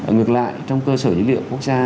ngược lại trong cơ sở dữ liệu quốc gia